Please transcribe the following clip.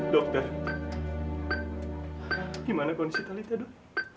dokter gimana kondisi telita dok